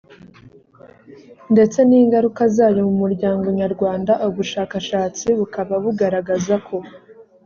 ndetse n ingaruka zayo mu muryango nyarwanda ubushakashatsi bukaba bugaragaza ko